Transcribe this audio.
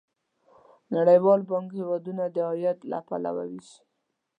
نړیوال بانک هیوادونه د عاید له پلوه ویشي.